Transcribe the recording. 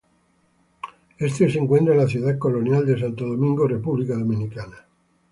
Este se encuentra en la Ciudad Colonial, de Santo Domingo, República Dominicana.